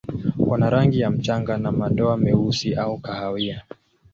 Wana rangi ya mchanga na madoa meusi au kahawia.